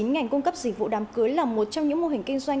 ngành cung cấp dịch vụ đám cưới là một trong những mô hình kinh doanh